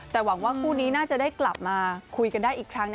แต่หวังว่าคู่นี้น่าจะได้กลับมาคุยกันได้อีกครั้ง